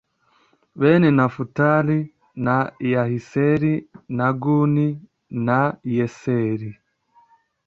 bene nafutali ni yahiseli na guni na yeseri